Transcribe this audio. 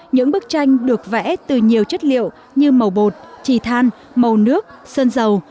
những bức tranh được vẽ từ nhiều chất liệu như màu bột trì than màu nước sơn dầu